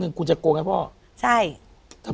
พี่น้องรู้ไหมว่าพ่อจะตายแล้วนะ